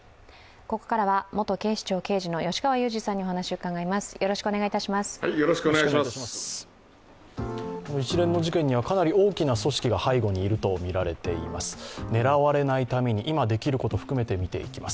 ここからは元警視庁刑事の吉川祐二にお話を伺います。